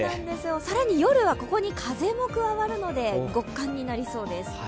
更に夜は、ここに風も加わるので極寒になりそうです。